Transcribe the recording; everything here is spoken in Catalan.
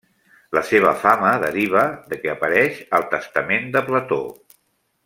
La seva fama deriva de què apareix al testament de Plató.